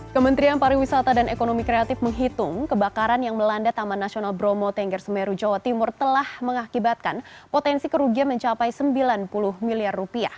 kementerian pariwisata dan ekonomi kreatif menghitung kebakaran yang melanda taman nasional bromo tengger semeru jawa timur telah mengakibatkan potensi kerugian mencapai rp sembilan puluh miliar